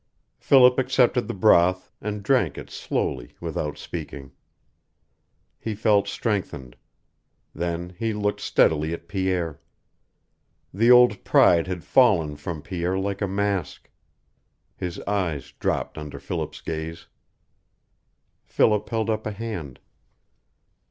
Philip accepted the broth, and drank it slowly, without speaking. He felt strengthened. Then he looked steadily at Pierre. The old pride had fallen from Pierre like a mask. His eyes dropped under Philip's gaze. Philip held up a hand.